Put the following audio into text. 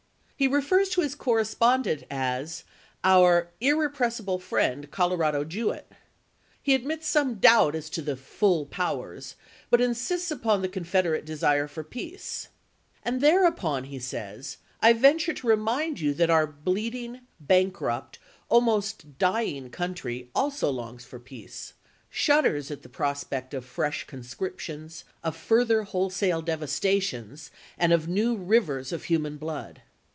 He refers to his correspondent as " our irrepres sible friend, Colorado Jewett." He admits some doubt as to the "full powers," but insists upon the Confederate desire for peace. " And there upon," he says, "I venture to remind you that our bleeding, bankrupt, almost dying country also longs for peace ; shudders at the prospect of fresh conscriptions, of further wholesale devastations, and of new rivers of human blood.